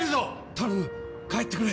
頼む帰ってくれ